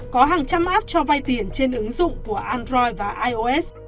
có hàng trăm app cho vay tiền trên ứng dụng của android và ios